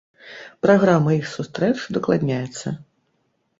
Праграма іх сустрэч удакладняецца.